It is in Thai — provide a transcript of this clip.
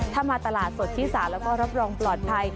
ถ้ามาตลาดสดชิสาแล้วก็รับรองปลอดภัย